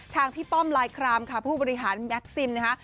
พี่ป้อมลายครามค่ะผู้บริหารแม็กซิมนะคะ